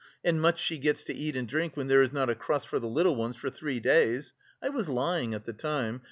And much she gets to eat and drink when there is not a crust for the little ones for three days! I was lying at the time...